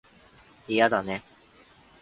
嫌だね